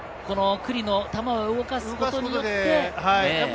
九里の球を動かすことによって。